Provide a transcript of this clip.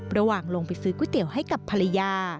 ลงไปซื้อก๋วยเตี๋ยวให้กับภรรยา